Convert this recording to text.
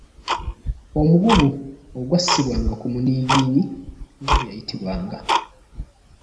Omugugu ogw'assibwanga ku muniigiinyi nga bwe yayitibwanga.